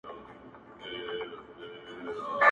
زه او شیخ یې را وتلي بس په تمه د کرم یو-